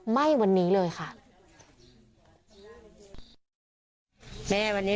ไหม้วันนี้เลยค่ะ